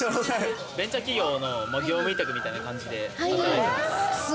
ベンチャー企業の業務委託みたいな感じで働いてます。